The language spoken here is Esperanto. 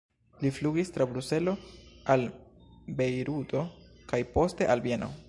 Li flugis tra Bruselo al Bejruto kaj poste al Vieno.